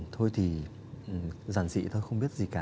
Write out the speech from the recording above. thôi thì giản dị thôi không biết gì cả